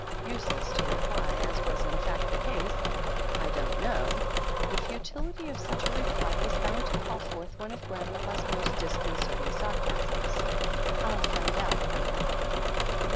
Useless to reply, as was in fact the case, "I don't know." The futility of such a reply was bound to call forth one of Grandpapa's most disconcerting sarcasms. "I'll find out. Grandpapa."